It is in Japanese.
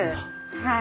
はい。